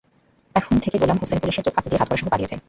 এখান থেকে গোলাম হোসেন পুলিশের চোখ ফাঁকি দিয়ে হাতকড়াসহ পালিয়ে যায়।